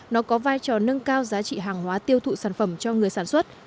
nó có vai trò nâng cao giá trị hàng hóa tiêu thụ sản phẩm cho người sản xuất